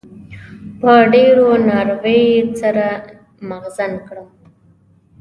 په ډېرو نارو يې سر مغزن کړم.